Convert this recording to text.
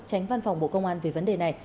tránh văn phòng bộ công an về vấn đề này